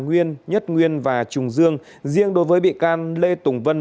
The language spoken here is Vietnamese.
nguyên nhất nguyên và trùng dương riêng đối với bị can lê tùng vân